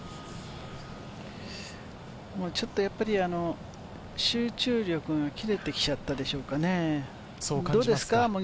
ちょっとやっぱり集中力が切れてきちゃったでしょうかね。